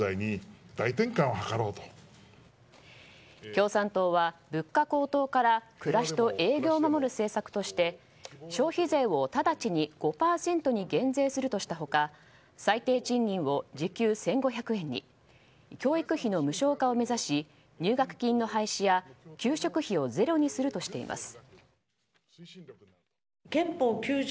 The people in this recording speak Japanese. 共産党は物価高騰から暮らしと営業を守る政策として消費税を直ちに５％に減税するとした他最低賃金を時給１５００円に教育費の無償化を目指し入学金の廃止や給食費をゼロにするとしています。